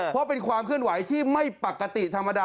เพราะเป็นความเคลื่อนไหวที่ไม่ปกติธรรมดา